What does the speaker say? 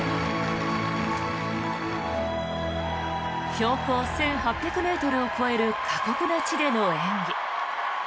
標高１８００ｍを超える過酷な地での演技。